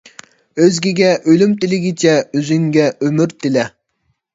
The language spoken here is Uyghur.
ئۆزگىگە ئۆلۈم تىلىگىچە، ئۆزۈڭگە ئۆمۈر تىلە.